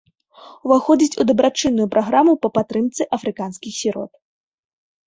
Уваходзіць у дабрачынную праграму па падтрымцы афрыканскіх сірот.